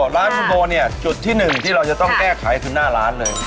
ร้านคุณโบเนี่ยจุดที่๑ที่เราจะต้องแก้ไขคือหน้าร้านเลย